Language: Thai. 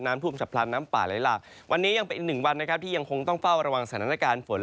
ทุ่มฉับพลันน้ำป่าไหลหลากวันนี้ยังเป็นอีกหนึ่งวันนะครับที่ยังคงต้องเฝ้าระวังสถานการณ์ฝน